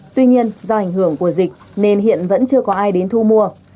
tuy nhiên do ảnh hưởng của dịch nên hiện vẫn chưa có ai đến thu mua